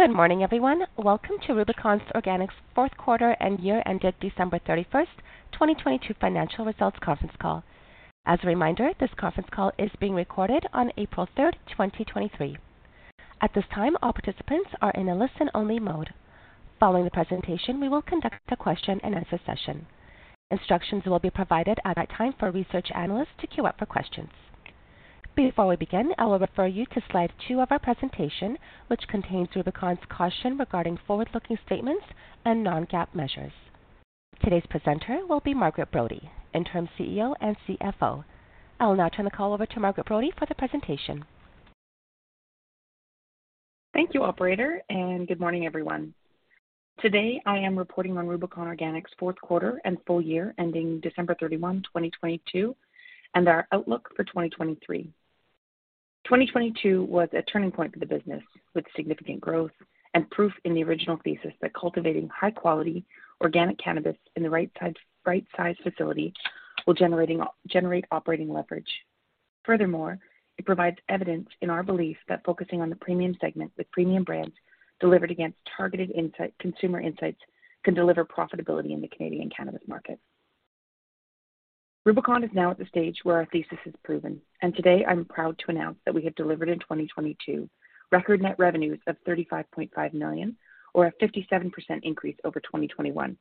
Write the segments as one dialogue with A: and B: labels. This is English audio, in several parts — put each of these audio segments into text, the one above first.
A: Good morning, everyone. Welcome to Rubicon Organics fourth quarter and year ended December 31st, 2022 financial results conference call. As a reminder, this conference call is being recorded on April 3rd, 2023. At this time, all participants are in a listen-only mode. Following the presentation, we will conduct a question-and-answer session. Instructions will be provided at that time for research analysts to queue up for questions. Before we begin, I will refer you to slide two of our presentation, which contains Rubicon's caution regarding forward-looking statements and non-GAAP measures. Today's presenter will be Margaret Brodie, Interim CEO and CFO. I will now turn the call over to Margaret Brodie for the presentation.
B: Thank you, operator. Good morning, everyone. Today, I am reporting on Rubicon Organics fourth quarter and full year ending December 31, 2022, and our outlook for 2023. 2022 was a turning point for the business with significant growth and proof in the original thesis that cultivating high-quality organic cannabis in the right size facility will generate operating leverage. Furthermore, it provides evidence in our belief that focusing on the premium segment with premium brands delivered against targeted consumer insights can deliver profitability in the Canadian cannabis market. Rubicon is now at the stage where our thesis is proven, and today I'm proud to announce that we have delivered in 2022 record net revenues of 35.5 million, or a 57% increase over 2021.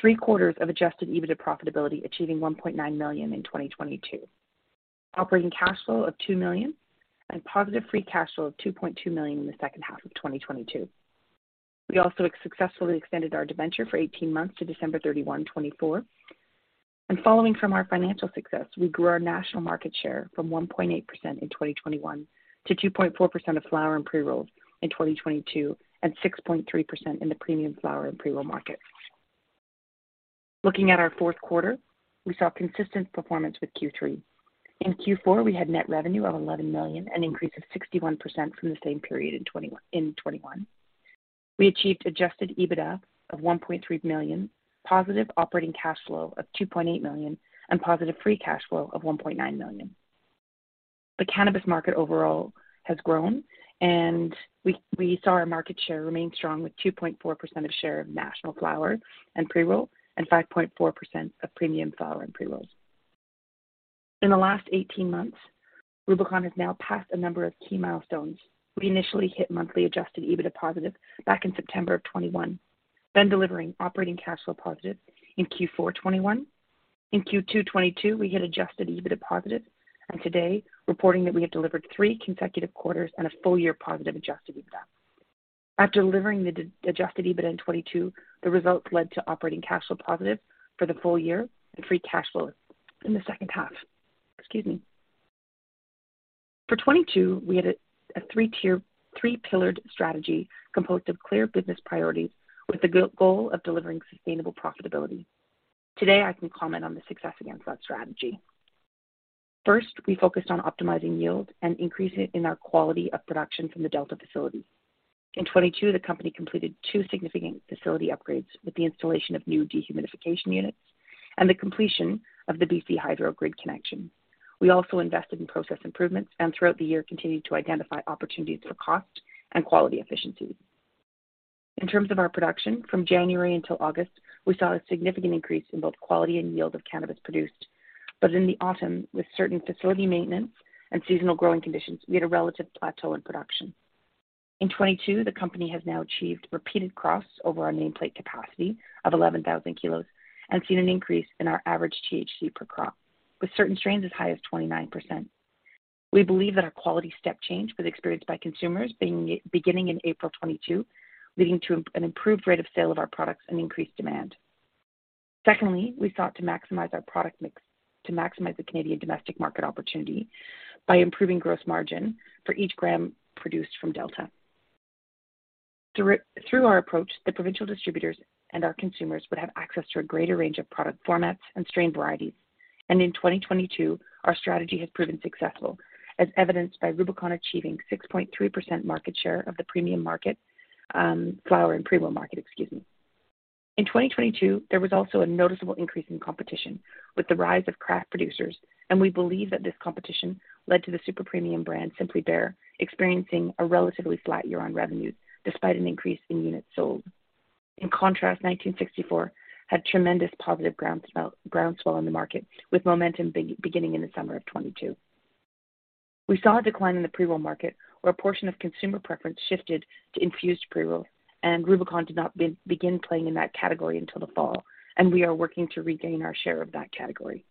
B: Three-quarters of Adjusted EBITDA profitability, achieving 1.9 million in 2022. Operating cash flow of 2 million, positive free cash flow of 2.2 million in the second half of 2022. We also successfully extended our debenture for 18 months to December 31, 2024. Following from our financial success, we grew our national market share from 1.8% in 2021 to 2.4% of flower and pre-rolls in 2022 and 6.3% in the premium flower and pre-roll market. Looking at our fourth quarter, we saw consistent performance with Q3. In Q4, we had net revenue of 11 million, an increase of 61% from the same period in 2021. We achieved Adjusted EBITDA of 1.3 million, positive operating cash flow of 2.8 million, and positive free cash flow of 1.9 million. The cannabis market overall has grown, and we saw our market share remain strong with 2.4% of share of national flower and pre-roll and 5.4% of premium flower and pre-rolls. In the last 18 months, Rubicon has now passed a number of key milestones. We initially hit monthly Adjusted EBITDA positive back in September of 2021, then delivering operating cash flow positive in Q4 2021. In Q2 2022, we hit Adjusted EBITDA positive and today reporting that we have delivered three consecutive quarters and a full-year positive Adjusted EBITDA. After delivering the Adjusted EBITDA in 2022, the results led to operating cash flow positive for the full year and free cash flow in the second half. Excuse me. For 2022, we had a three-pillared strategy composed of clear business priorities with the goal of delivering sustainable profitability. Today, I can comment on the success against that strategy. First, we focused on optimizing yield and increasing in our quality of production from the Delta facility. In 2022, the company completed two significant facility upgrades with the installation of new dehumidification units and the completion of the BC Hydro grid connection. We also invested in process improvements and throughout the year, continued to identify opportunities for cost and quality efficiencies. In terms of our production, from January until August, we saw a significant increase in both quality and yield of cannabis produced. In the autumn, with certain facility maintenance and seasonal growing conditions, we had a relative plateau in production. In 2022, the company has now achieved repeated crops over our nameplate capacity of 11,000 kilos and seen an increase in our average THC per crop, with certain strains as high as 29%. We believe that our quality step change was experienced by consumers beginning in April 2022, leading to an improved rate of sale of our products and increased demand. Secondly, we sought to maximize our product mix to maximize the Canadian domestic market opportunity by improving gross margin for each gram produced from Delta. Through our approach, the provincial distributors and our consumers would have access to a great range of product formats and strain varieties. In 2022, our strategy has proven successful, as evidenced by Rubicon achieving 6.3% market share of the premium market, flower and pre-roll market, excuse me. In 2022, there was also a noticeable increase in competition with the rise of craft producers, and we believe that this competition led to the super premium brand, Simply Bare, experiencing a relatively flat year on revenues despite an increase in units sold. In contrast, 1964 had tremendous positive groundswell in the market, with momentum beginning in the summer of 2022. We saw a decline in the pre-roll market, where a portion of consumer preference shifted to infused pre-rolls, and Rubicon did not begin playing in that category until the fall, and we are working to regain our share of that category.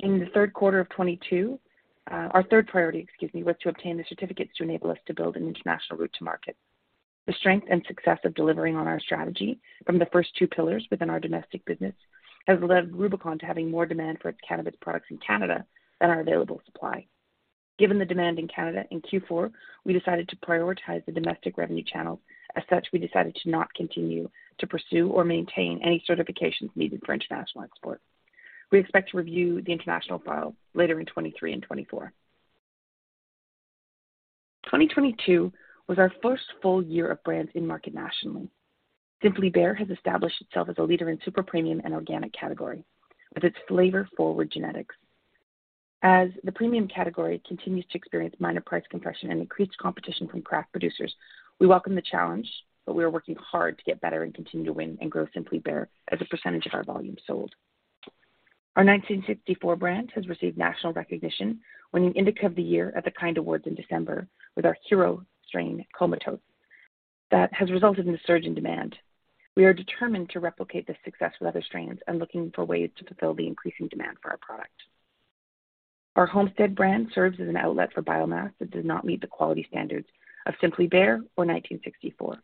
B: In the third quarter of 2022, our third priority, excuse me, was to obtain the certificates to enable us to build an international route to market. The strength and success of delivering on our strategy from the first two pillars within our domestic business has led Rubicon to having more demand for its cannabis products in Canada than our available supply. Given the demand in Canada, in Q4, we decided to prioritize the domestic revenue channel. We decided to not continue to pursue or maintain any certifications needed for international export. We expect to review the international file later in 2023 and 2024. 2022 was our first full year of brands in market nationally. Simply Bare has established itself as a leader in super premium and organic category with its flavor-forward genetics. As the premium category continues to experience minor price compression and increased competition from craft producers, we welcome the challenge. We are working hard to get better and continue to win and grow Simply Bare as a % of our volume sold. Our 1964 brand has received national recognition, winning Indica of the Year at the KIND Awards in December with our hero strain, Comatose. That has resulted in a surge in demand. We are determined to replicate this success with other strains and looking for ways to fulfill the increasing demand for our product. Our Homestead brand serves as an outlet for biomass that does not meet the quality standards of Simply Bare or 1964.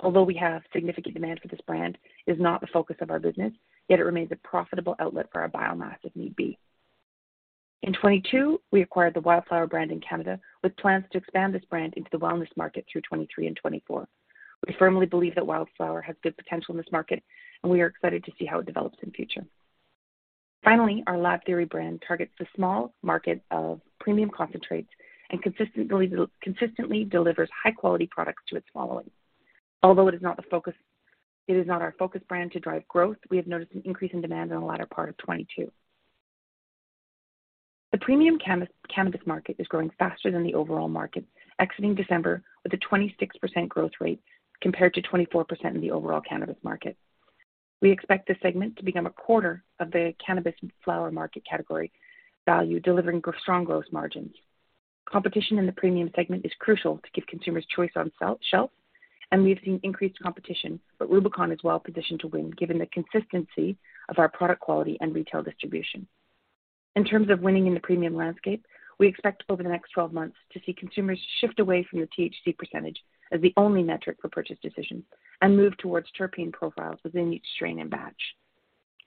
B: Although we have significant demand for this brand, it is not the focus of our business, yet it remains a profitable outlet for our biomass if need be. In 2022, we acquired the Wildflower brand in Canada with plans to expand this brand into the wellness market through 2023 and 2024. We firmly believe that Wildflower has good potential in this market, and we are excited to see how it develops in future. Finally, our LAB THEORY brand targets the small market of premium concentrates and consistently delivers high-quality products to its following. Although it is not the focus, it is not our focus brand to drive growth, we have noticed an increase in demand in the latter part of 2022. The premium cannabis market is growing faster than the overall market, exiting December with a 26% growth rate compared to 24% in the overall cannabis market. We expect this segment to become a quarter of the cannabis flower market category value, delivering strong growth margins. Competition in the premium segment is crucial to give consumers choice on shelf, and we have seen increased competition, but Rubicon is well positioned to win given the consistency of our product quality and retail distribution. In terms of winning in the premium landscape, we expect over the next 12 months to see consumers shift away from the THC percentage as the only metric for purchase decisions and move towards terpene profiles within each strain and batch.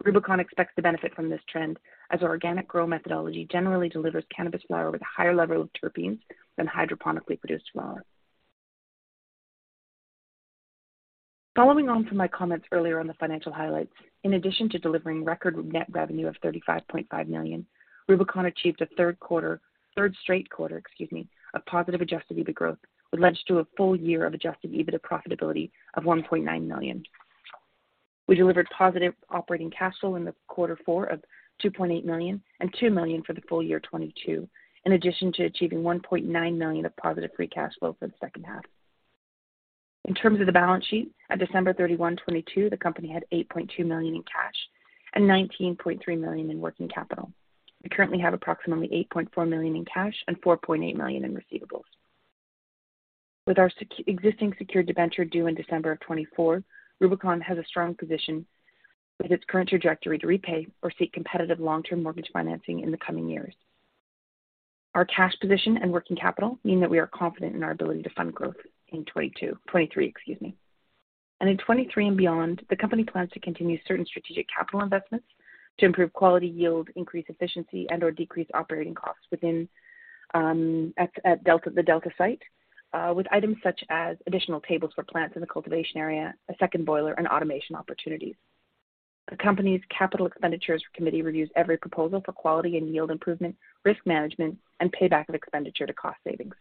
B: Rubicon expects to benefit from this trend as our organic grow methodology generally delivers cannabis flower with a higher level of terpenes than hydroponically-produced flower. Following on from my comments earlier on the financial highlights, in addition to delivering record net revenue of 35.5 million, Rubicon achieved a third quarter, third straight quarter, excuse me, of positive Adjusted EBITDA growth, which led to a full year of Adjusted EBITDA profitability of 1.9 million. We delivered positive operating cash flow in the quarter four of 2.8 million and 2 million for the full year 2022, in addition to achieving 1.9 million of positive free cash flow for the second half. In terms of the balance sheet, at December 31, 2022, the company had 8.2 million in cash and 19.3 million in working capital. We currently have approximately 8.4 million in cash and 4.8 million in receivables. With our existing secured debenture due in December of 2024, Rubicon has a strong position with its current trajectory to repay or seek competitive long-term mortgage financing in the coming years. Our cash position and working capital mean that we are confident in our ability to fund growth in 2022, 2023, excuse me. In 2023 and beyond, the company plans to continue certain strategic capital investments to improve quality yield, increase efficiency, and/or decrease operating costs within at Delta, the Delta site, with items such as additional tables for plants in the cultivation area, a second boiler, and automation opportunities. The company's capital expenditures committee reviews every proposal for quality and yield improvement, risk management, and payback of expenditure to cost savings.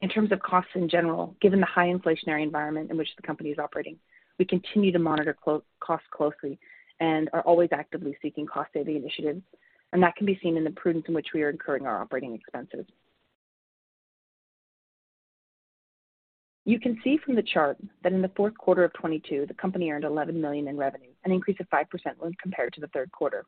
B: In terms of costs in general, given the high inflationary environment in which the company is operating, we continue to monitor costs closely and are always actively seeking cost-saving initiatives, and that can be seen in the prudence in which we are incurring our operating expenses. You can see from the chart that in the fourth quarter of 2022, the company earned 11 million in revenue, an increase of 5% when compared to the third quarter.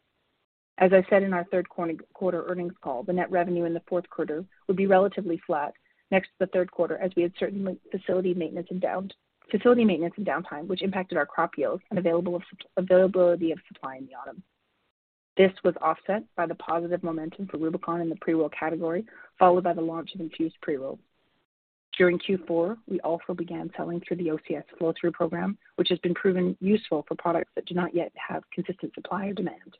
B: As I said in our third quarter earnings call, the net revenue in the fourth quarter would be relatively flat next to the third quarter, as we had certain facility maintenance and downtime, which impacted our crop yields and availability of supply in the autumn. This was offset by the positive momentum for Rubicon in the pre-roll category, followed by the launch of infused pre-roll. During Q4, we also began selling through the OCS flow-through program, which has been proven useful for products that do not yet have consistent supply or demand.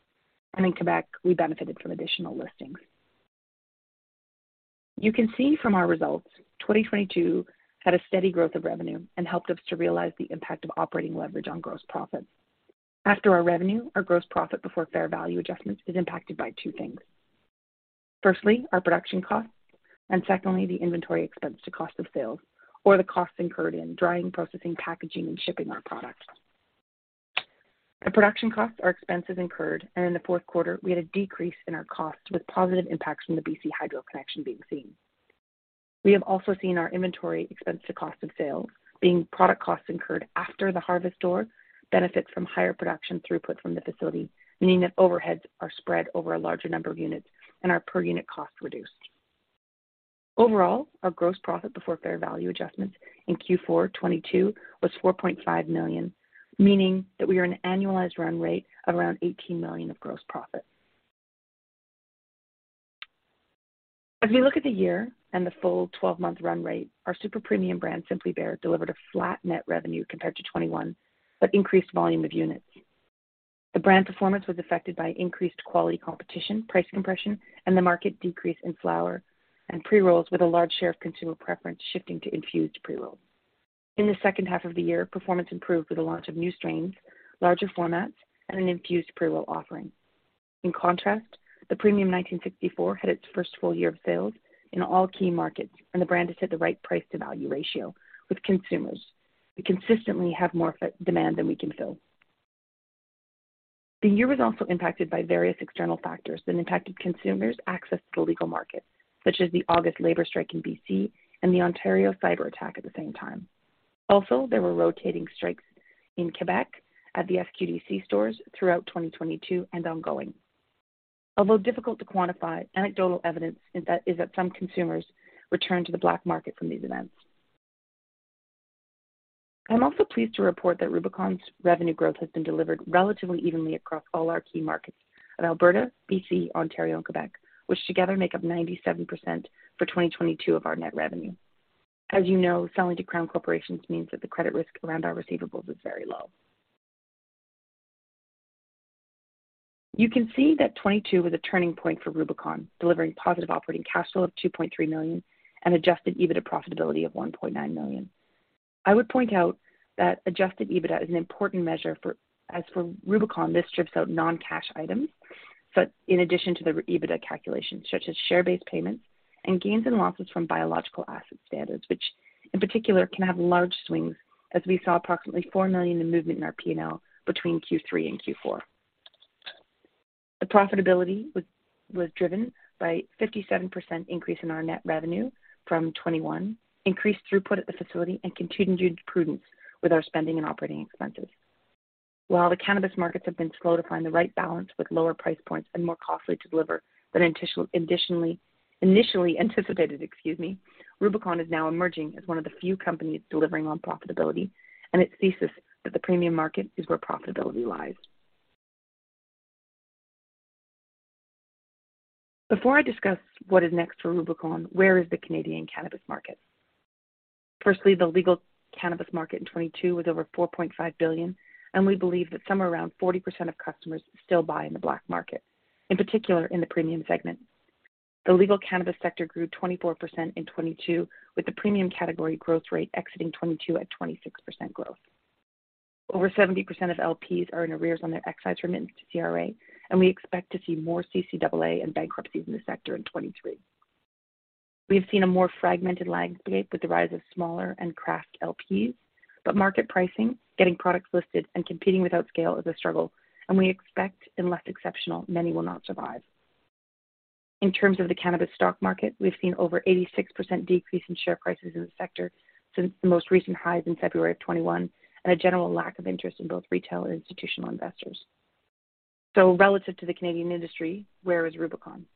B: In Quebec, we benefited from additional listings. You can see from our results, 2022 had a steady growth of revenue and helped us to realize the impact of operating leverage on gross profit. After our revenue, our gross profit before fair value adjustments is impacted by two things. Firstly, our production costs, and secondly, the inventory expense to cost of sales or the costs incurred in drying, processing, packaging, and shipping our products. The production costs are expenses incurred, and in the fourth quarter, we had a decrease in our costs with positive impacts from the BC Hydro connection being seen. We have also seen our inventory expense to cost of sales being product costs incurred after the harvest door benefit from higher production throughput from the facility, meaning that overheads are spread over a larger number of units and our per-unit cost reduced. Overall, our gross profit before fair value adjustments in Q4 2022 was 4.5 million, meaning that we are an annualized run rate of around 18 million of gross profit. As we look at the year and the full 12-month run rate, our super premium brand, Simply Bare, delivered a flat net revenue compared to 2021, but increased volume of units. The brand performance was affected by increased quality competition, price compression, and the market decrease in flower and pre-rolls, with a large share of consumer preference shifting to infused pre-rolls. In the second half of the year, performance improved with the launch of new strains, larger formats, and an infused pre-roll offering. In contrast, the premium 1964 had its first full year of sales in all key markets. The brand has hit the right price-to-value ratio with consumers. We consistently have more demand than we can fill. The year was also impacted by various external factors that impacted consumers access to the legal market, such as the August labor strike in BC and the Ontario cyber attack at the same time. There were rotating strikes in Quebec at the SQDC stores throughout 2022 and ongoing. Although difficult to quantify, anecdotal evidence is that some consumers return to the black market from these events. I'm also pleased to report that Rubicon's revenue growth has been delivered relatively evenly across all our key markets in Alberta, BC, Ontario, and Quebec, which together make up 97% for 2022 of our net revenue. As you know, selling to Crown corporations means that the credit risk around our receivables is very low. You can see that 2022 was a turning point for Rubicon, delivering positive operating cash flow of 2.3 million and Adjusted EBITDA profitability of 1.9 million. I would point out that Adjusted EBITDA is an important measure. As for Rubicon, this strips out non-cash items, but in addition to the EBITDA calculation, such as share-based payments and gains and losses from biological asset standards, which in particular can have large swings, as we saw approximately 4 million in movement in our P&L between Q3 and Q4. The profitability was driven by 57% increase in our net revenue from 2021, increased throughput at the facility, and continued prudence with our spending and operating expenses. While the cannabis markets have been slow to find the right balance with lower price points and more costly to deliver than initially anticipated, excuse me, Rubicon is now emerging as one of the few companies delivering on profitability and its thesis that the premium market is where profitability lies. Before I discuss what is next for Rubicon, where is the Canadian cannabis market? Firstly, the legal cannabis market in 2022 was over 4.5 billion, and we believe that somewhere around 40% of customers still buy in the black market, in particular in the premium segment. The legal cannabis sector grew 24% in 2022, with the premium category growth rate exiting 2022 at 26% growth. Over 70% of LPs are in arrears on their excise remittance to CRA, and we expect to see more CCAA and bankruptcies in the sector in 2023. We have seen a more fragmented landscape with the rise of smaller and craft LPs, but market pricing, getting products listed, and competing without scale is a struggle, and we expect, unless exceptional, many will not survive. In terms of the cannabis stock market, we've seen over 86% decrease in share prices in the sector since the most recent highs in February of 2021, and a general lack of interest in both retail and institutional investors. Relative to the Canadian industry, where is Rubicon?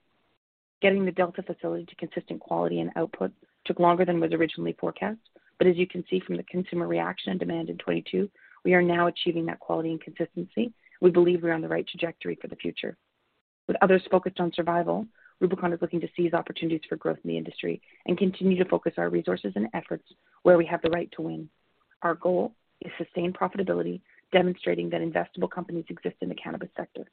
B: Getting the Delta facility to consistent quality and output took longer than was originally forecast. As you can see from the consumer reaction and demand in 2022, we are now achieving that quality and consistency. We believe we're on the right trajectory for the future. With others focused on survival, Rubicon is looking to seize opportunities for growth in the industry and continue to focus our resources and efforts where we have the right to win. Our goal is sustained profitability, demonstrating that investable companies exist in the cannabis sector.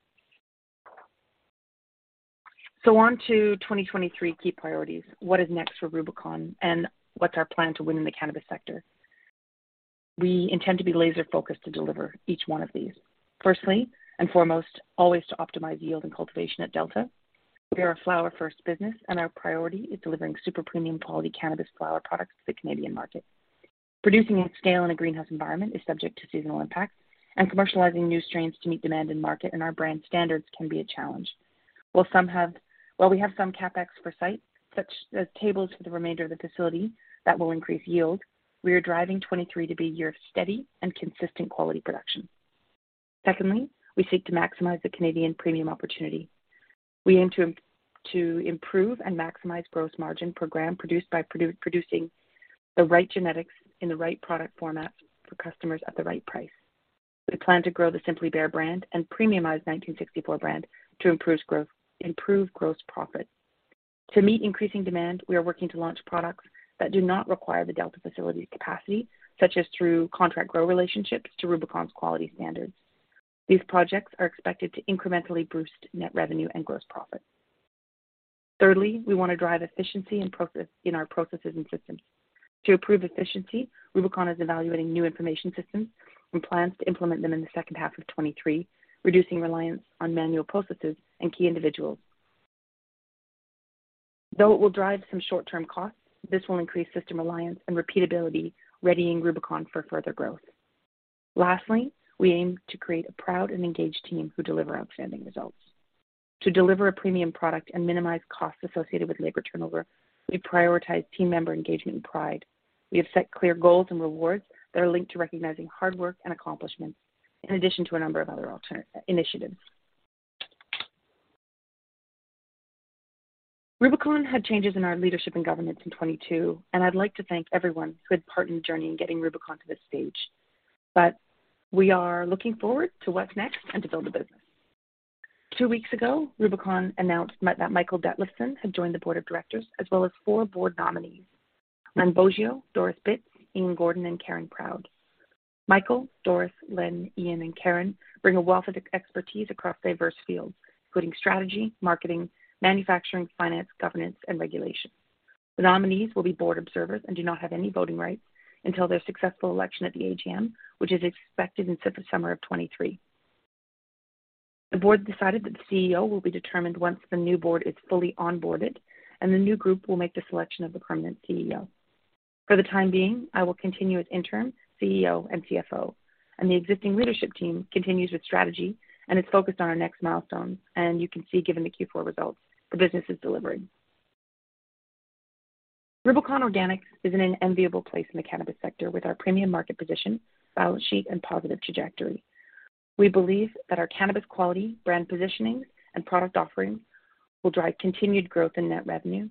B: On to 2023 key priorities. What is next for Rubicon, and what's our plan to win in the cannabis sector? We intend to be laser-focused to deliver each one of these. Firstly and foremost, always to optimize yield and cultivation at Delta. We are a flower-first business, and our priority is delivering super premium quality cannabis flower products to the Canadian market. Producing at scale in a greenhouse environment is subject to seasonal impacts, and commercializing new strains to meet demand in market and our brand standards can be a challenge. While we have some CapEx for site, such as tables for the remainder of the facility that will increase yield, we are driving 2023 to be a year of steady and consistent quality production. Secondly, we seek to maximize the Canadian premium opportunity. We aim to improve and maximize gross margin per gram produced by producing the right genetics in the right product formats for customers at the right price. We plan to grow the Simply Bare brand and premiumize 1964 brand to improve gross profit. To meet increasing demand, we are working to launch products that do not require the Delta facilities capacity, such as through contract grow relationships to Rubicon's quality standards. These projects are expected to incrementally boost net revenue and gross profit. We want to drive efficiency in our processes and systems. To improve efficiency, Rubicon is evaluating new information systems and plans to implement them in the second half of 2023, reducing reliance on manual processes and key individuals. Though it will drive some short-term costs, this will increase system reliance and repeatability, readying Rubicon for further growth. We aim to create a proud and engaged team who deliver outstanding results. To deliver a premium product and minimize costs associated with labor turnover, we prioritize team member engagement and pride. We have set clear goals and rewards that are linked to recognizing hard work and accomplishments, in addition to a number of other alternate initiatives. Rubicon had changes in our leadership and governance in 2022. I'd like to thank everyone who had part in the journey in getting Rubicon to this stage. We are looking forward to what's next and to build a business. Two weeks ago, Rubicon announced that Michael Detlefsen had joined the board of directors as well as four board nominees, Len Boggio, Doris Bitz, Ian Gordon, and Karen Proud. Michael, Doris, Len, Ian, and Karen bring a wealth of expertise across diverse fields, including strategy, marketing, manufacturing, finance, governance, and regulation. The nominees will be board observers and do not have any voting rights until their successful election at the AGM, which is expected in summer of 2023. The board decided that the CEO will be determined once the new board is fully onboarded, and the new group will make the selection of the permanent CEO. For the time being, I will continue as interim CEO and CFO, and the existing leadership team continues with strategy and is focused on our next milestone. You can see, given the Q4 results, the business is delivering. Rubicon Organics is in an enviable place in the cannabis sector with our premium market position, balance sheet, and positive trajectory. We believe that our cannabis quality, brand positioning, and product offerings will drive continued growth in net revenue,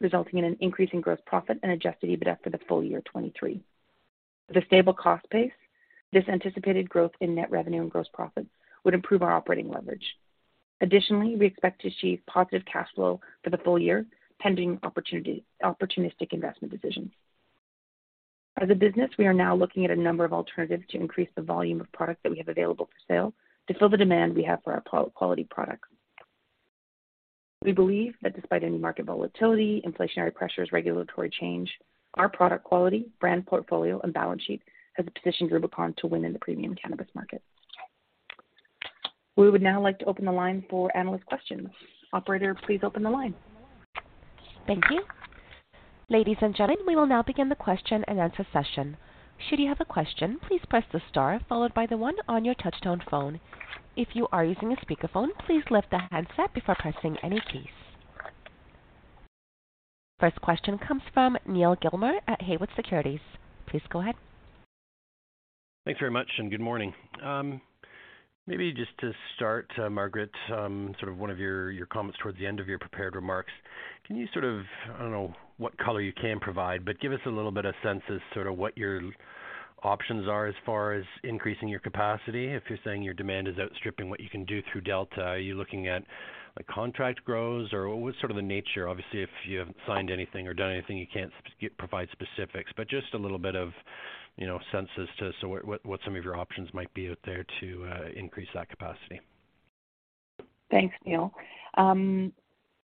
B: resulting in an increase in gross profit and Adjusted EBITDA for the full year 2023. With a stable cost base, this anticipated growth in net revenue and gross profit would improve our operating leverage. Additionally, we expect to achieve positive cash flow for the full year, pending opportunistic investment decisions. As a business, we are now looking at a number of alternatives to increase the volume of product that we have available for sale to fill the demand we have for our quality products. We believe that despite any market volatility, inflationary pressures, regulatory change, our product quality, brand portfolio, and balance sheet has positioned Rubicon to win in the premium cannabis market. We would now like to open the line for analyst questions. Operator, please open the line.
A: Thank you. Ladies and gentlemen, we will now begin the question-and-answer session. Should you have a question, please press the Star followed by the one on your touch-tone phone. If you are using a speakerphone, please lift the handset before pressing any keys. First question comes from Neal Gilmer at Haywood Securities. Please go ahead.
C: Thanks very much. Good morning. Maybe just to start, Margaret, sort of one of your comments towards the end of your prepared remarks, can you I don't know what color you can provide, but give us a little bit of sense as sort of what your options are as far as increasing your capacity. If you're saying your demand is outstripping what you can do through Delta, are you looking at, like, contract grows? What's sort of the nature? Obviously, if you haven't signed anything or done anything, you can't provide specifics, but just a little bit of, you know, sense as to sort of what some of your options might be out there to increase that capacity.
B: Thanks, Neal.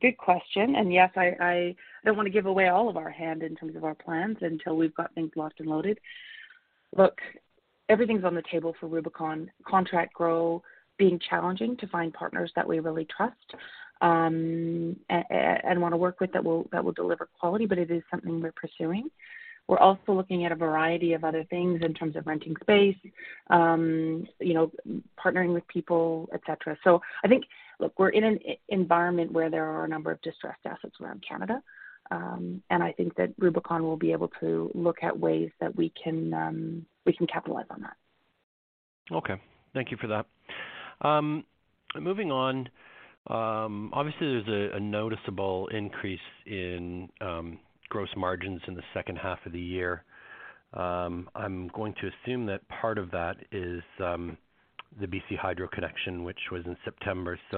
B: Good question. Yes, I don't wanna give away all of our hand in terms of our plans until we've got things locked and loaded. Look, everything's on the table for Rubicon. Contract grow being challenging to find partners that we really trust, and wanna work with that will deliver quality, but it is something we're pursuing. We're also looking at a variety of other things in terms of renting space, you know, partnering with people, et cetera. Look, we're in an environment where there are a number of distressed assets around Canada, and I think that Rubicon will be able to look at ways that we can capitalize on that.
C: Okay. Thank you for that. Moving on. Obviously, there's a noticeable increase in gross margins in the second half of the year. I'm going to assume that part of that is the BC Hydro connection, which was in September. You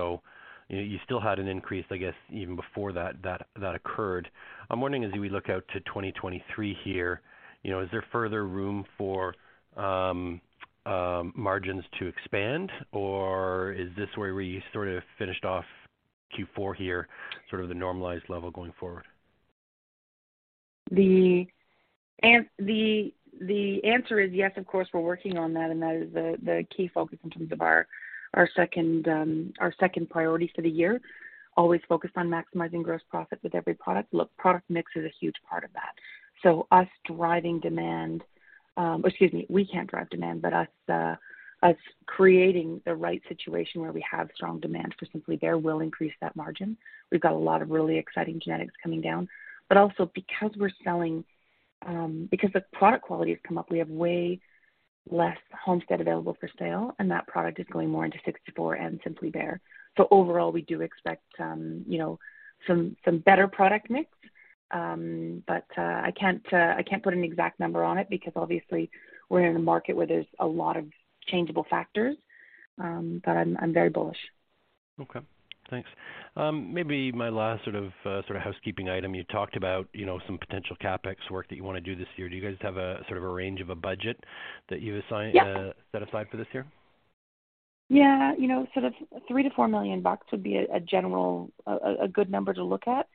C: know, you still had an increase, I guess, even before that occurred. I'm wondering, as we look out to 2023 here, you know, is there further room for margins to expand, or is this where we sort of finished off Q4 here, sort of the normalized level going forward?
B: The answer is yes, of course, we're working on that. That is the key focus in terms of our second priority for the year. Always focused on maximizing gross profit with every product. Look, product mix is a huge part of that. Us driving demand. Excuse me. We can't drive demand, but us creating the right situation where we have strong demand for Simply Bare will increase that margin. We've got a lot of really exciting genetics coming down. Because the product quality has come up, we have way less Homestead available for sale, and that product is going more into sixty-four and Simply Bare. Overall, we do expect, you know, some better product mix. I can't put an exact number on it because obviously we're in a market where there's a lot of changeable factors. I'm very bullish.
C: Okay. Thanks. maybe my last sort of housekeeping item, you know, some potential CapEx work that you wanna do this year. Do you guys have a, sort of a range of a budget that you've assigned-
B: Yeah.
C: set aside for this year?
B: Yeah. You know, sort of 3 million-4 million bucks would be a general, a good number to look at.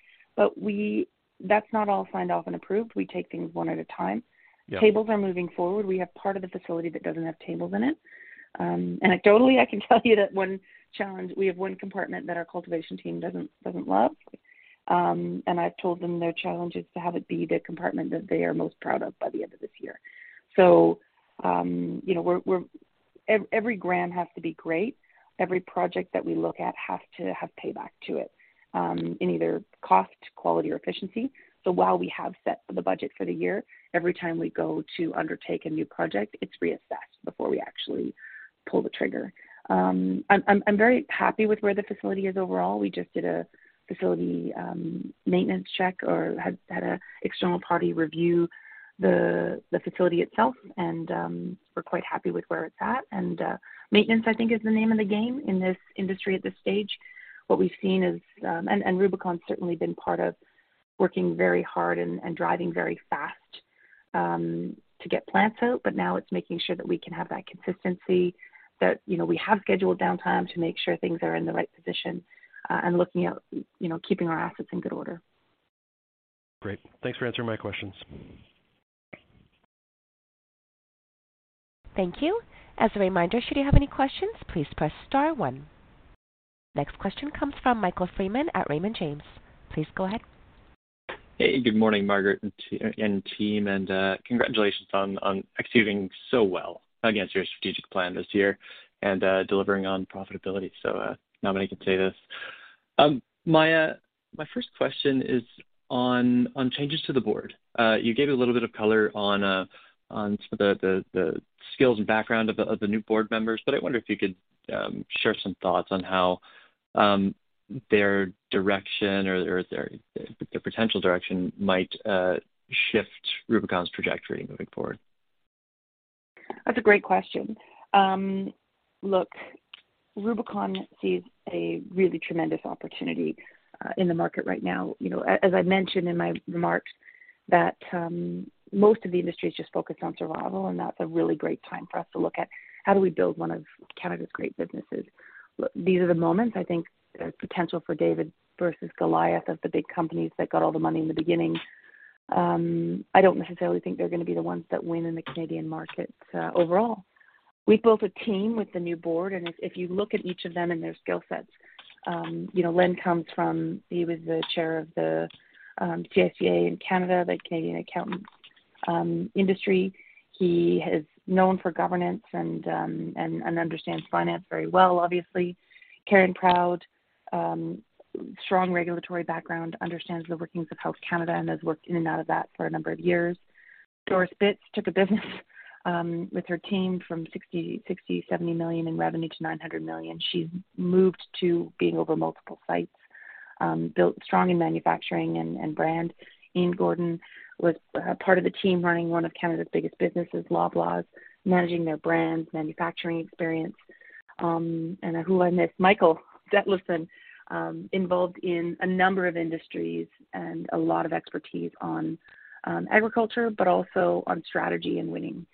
B: That's not all signed off and approved. We take things one at a time.
C: Yeah.
B: Tables are moving forward. We have part of the facility that doesn't have tables in it. Anecdotally, I can tell you that one challenge, we have one compartment that our cultivation team doesn't love. I've told them their challenge is to have it be the compartment that they are most proud of by the end of this year. You know, we're, every gram has to be great. Every project that we look at has to have payback to it, in either cost, quality, or efficiency. While we have set the budget for the year, every time we go to undertake a new project, it's reassessed before we actually pull the trigger. I'm very happy with where the facility is overall. We just did a facility maintenance check or had a external party review the facility itself, and we're quite happy with where it's at. Maintenance, I think, is the name of the game in this industry at this stage. What we've seen is Rubicon's certainly been part of working very hard and driving very fast to get plants out, but now it's making sure that we can have that consistency, that, you know, we have scheduled downtime to make sure things are in the right position, and looking at, you know, keeping our assets in good order.
C: Great. Thanks for answering my questions.
A: Thank you. As a reminder, should you have any questions, please press Star one. Next question comes from Michael Freeman at Raymond James. Please go ahead.
D: Hey, good morning, Margaret and team, and congratulations on executing so well against your strategic plan this year and delivering on profitability. Not many can say this. My first question is on changes to the board. You gave a little bit of color on some of the skills and background of the new board members, but I wonder if you could share some thoughts on how their direction or their potential direction might shift Rubicon's trajectory moving forward.
B: That's a great question. Look, Rubicon sees a really tremendous opportunity in the market right now. You know, as I mentioned in my remarks, that most of the industry is just focused on survival. That's a really great time for us to look at how do we build one of Canada's great businesses. These are the moments, I think, the potential for David versus Goliath of the big companies that got all the money in the beginning. I don't necessarily think they're gonna be the ones that win in the Canadian markets overall. We've built a team with the new board. If you look at each of them and their skill sets, you know, Len comes from... He was the chair of the CPA Canada, the Canadian accountant industry. He is known for governance and understands finance very well, obviously. Karen Proud, strong regulatory background, understands the workings of Health Canada and has worked in and out of that for a number of years. Doris Bitz took a business with her team from 70 million in revenue to 900 million. She's moved to being over multiple sites, built strong in manufacturing and brand. Ian Gordon was part of the team running one of Canada's biggest businesses, Loblaws, managing their brands, manufacturing experience. Who I miss, Michael Detlefsen, involved in a number of industries and a lot of expertise on agriculture, but also on strategy and winning.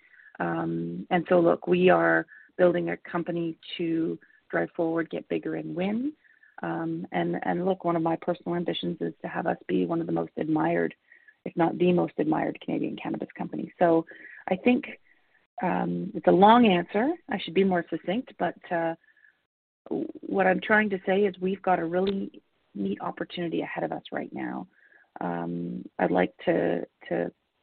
B: Look, we are building a company to drive forward, get bigger, and win. Look, one of my personal ambitions is to have us be one of the most admired, if not the most admired Canadian cannabis company. I think it's a long answer. I should be more succinct, but what I'm trying to say is we've got a really neat opportunity ahead of us right now. I'd like to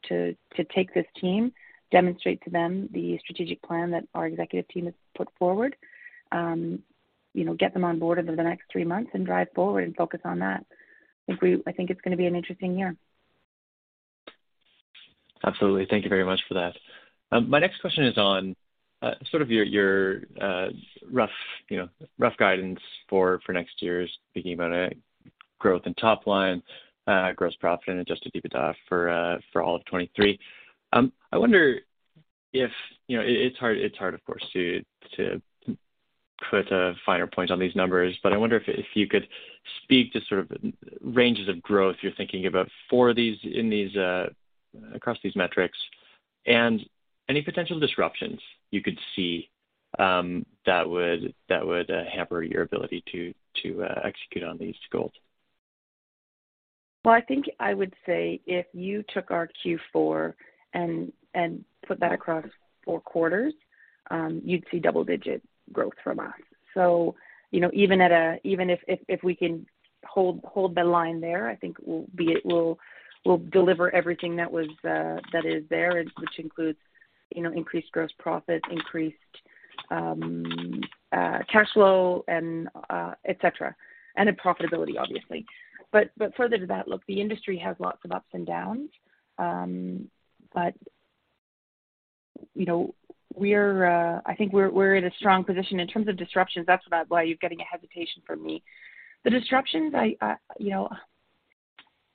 B: take this team, demonstrate to them the strategic plan that our executive team has put forward, you know, get them on board over the next three months and drive forward and focus on that. I think it's gonna be an interesting year.
D: Absolutely. Thank you very much for that. My next question is on sort of your you know, rough guidance for next year's, thinking about growth and top line, gross profit and Adjusted EBITDA for all of 2023. I wonder if. You know, it's hard, of course, to put a finer point on these numbers, but I wonder if you could speak to sort of ranges of growth you're thinking about for these, in these, across these metrics, and any potential disruptions you could see that would hamper your ability to execute on these goals.
B: I think I would say if you took our Q4 and put that across four quarters, you'd see double-digit growth from us. You know, even if we can hold the line there, I think we'll deliver everything that was, that is there, which includes, you know, increased gross profit, increased cash flow, and et cetera. Profitability, obviously. Further to that, look, the industry has lots of ups and downs. You know, we're, I think we're at a strong position. In terms of disruptions, that's about why you're getting a hesitation from me. The disruptions, you know.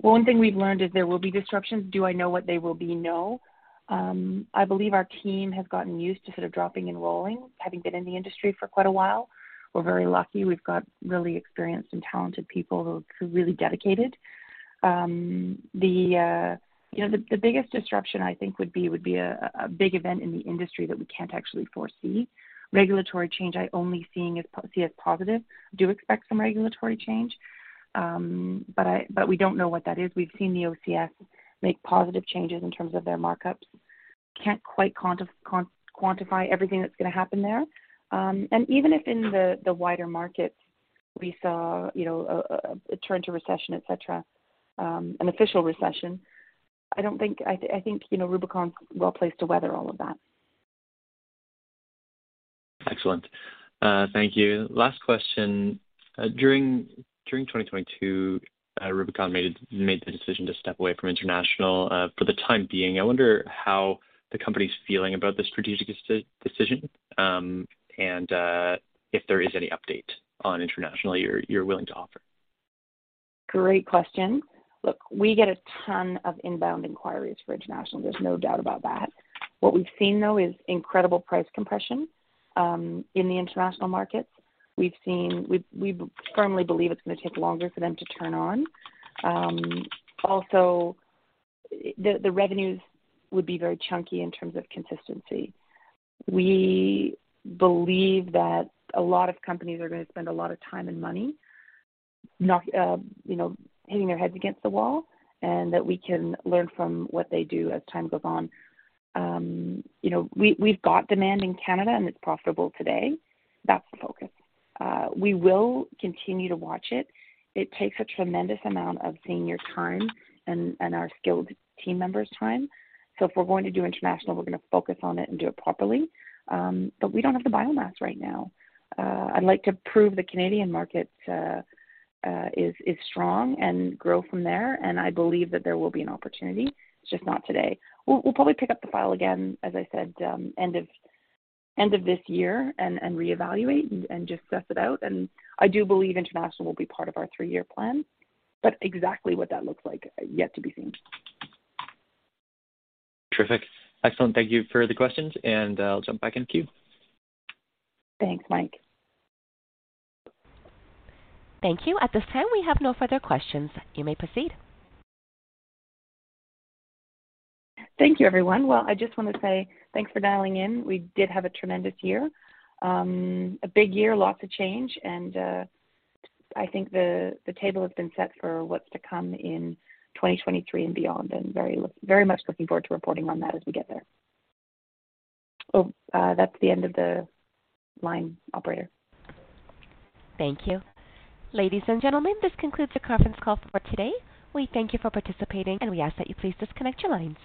B: One thing we've learned is there will be disruptions. Do I know what they will be? No. I believe our team has gotten used to sort of dropping and rolling, having been in the industry for quite a while. We're very lucky. We've got really experienced and talented people who are really dedicated. You know, the biggest disruption I think would be, would be a big event in the industry that we can't actually foresee. Regulatory change, I only seeing as positive. Do expect some regulatory change, but we don't know what that is. We've seen the OCS make positive changes in terms of their markups. Can't quite quantify everything that's gonna happen there. Even if in the wider markets we saw, you know, a turn to recession, et cetera, an official recession, I don't think I think, you know, Rubicon's well-placed to weather all of that.
D: Excellent. Thank you. Last question. During 2022, Rubicon made the decision to step away from international for the time being. I wonder how the company's feeling about this strategic decision, and if there is any update on international you're willing to offer.
B: Great question. Look, we get a ton of inbound inquiries for international. There's no doubt about that. What we've seen, though, is incredible price compression in the international markets. We firmly believe it's gonna take longer for them to turn on. Also, the revenues would be very chunky in terms of consistency. We believe that a lot of companies are gonna spend a lot of time and money you know, hitting their heads against the wall, and that we can learn from what they do as time goes on. You know, we've got demand in Canada, and it's profitable today. That's the focus. We will continue to watch it. It takes a tremendous amount of senior time and our skilled team members' time. If we're going to do international, we're gonna focus on it and do it properly. We don't have the biomass right now. I'd like to prove the Canadian market is strong and grow from there, and I believe that there will be an opportunity. It's just not today. We'll probably pick up the file again, as I said, end of this year and reevaluate and just suss it out. I do believe international will be part of our three-year plan, but exactly what that looks like, yet to be seen.
D: Terrific. Excellent. Thank you for the questions, and I'll jump back in queue.
B: Thanks, Mike.
A: Thank you. At this time, we have no further questions. You may proceed.
B: Thank you, everyone. Well, I just wanna say thanks for dailing in. We did have a tremendous year. A big year, lots of change. I think the table has been set for what's to come in 2023 and beyond, very much looking forward to reporting on that as we get there. That's the end of the line, operator.
A: Thank you. Ladies and gentlemen, this concludes the conference call for today. We thank you for participating. We ask that you please disconnect your lines..